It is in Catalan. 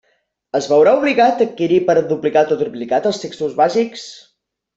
Es veurà obligat a adquirir per duplicat o triplicat els textos bàsics?